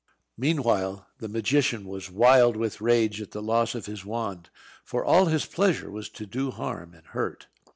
Meanwhile the magician was wild with rage at the loss of his wand, for all his pleasure was to do harm and hurt.